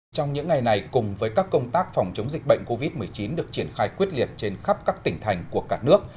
trong những ngày này cùng với các công tác phòng chống dịch bệnh covid một mươi chín được triển khai quyết liệt trên khắp các tỉnh thành của cả nước